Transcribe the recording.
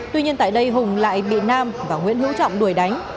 tuy nhiên tại đây hùng lại bị nam và nguyễn hữu trọng đuổi đánh